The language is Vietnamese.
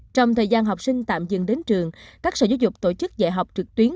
trong thời gian học sinh tạm dừng đến trường các sở giáo dục tổ chức dạy học trực tuyến